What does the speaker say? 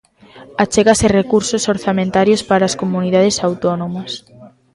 Achegas e recursos orzamentarios para as comunidades autónomas.